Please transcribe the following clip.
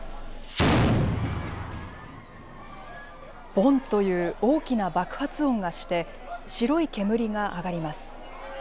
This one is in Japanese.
ボンという大きな爆発音がして白い煙が上がります。